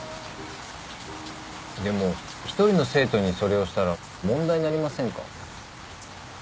でも１人の生徒にそれをしたら問題になりませんか？